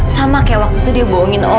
sama kaya waktu itu dia bohongin oma